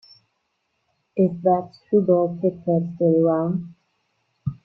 Is that screwball Pit-Pat still around?